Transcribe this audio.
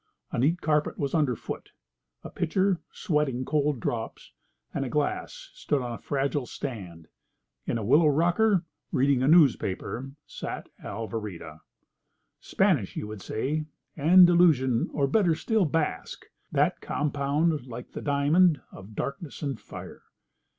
A neat carpet was under foot. A pitcher, sweating cold drops, and a glass stood on a fragile stand. In a willow rocker, reading a newspaper, sat Alvarita. Spanish, you would say; Andalusian, or, better still, Basque; that compound, like the diamond, of darkness and fire.